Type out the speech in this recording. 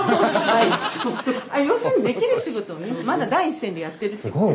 要するにできる仕事をねまだ第一線でやってるっていう。